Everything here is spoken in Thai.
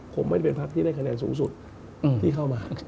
ผมไม่เป็นพักที่ได้คะแนนสูงสุดที่เข้ามา